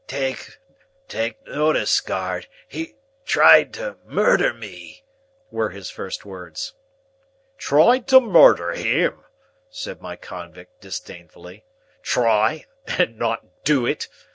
"Take notice, guard,—he tried to murder me," were his first words. "Tried to murder him?" said my convict, disdainfully. "Try, and not do it?